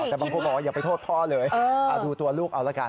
แต่บางคนบอกว่าอย่าไปโทษพ่อเลยดูตัวลูกเอาละกัน